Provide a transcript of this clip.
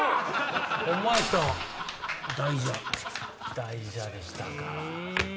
大蛇でしたか。